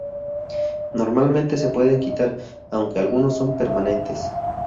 Normalmente se pueden quitar, aunque algunos son permanentes.